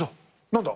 何だ。